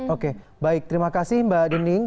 oke baik terima kasih mbak dining